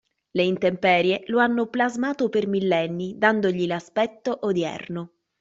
Le intemperie lo hanno plasmato per millenni dandogli l'aspetto odierno.